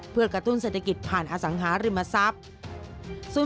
เพื่อกระตุ้นเศรษฐกิจผ่านอสังหาริมทรัพย์